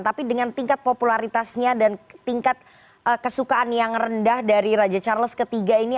tapi dengan tingkat popularitasnya dan tingkat kesukaan yang rendah dari raja charles iii ini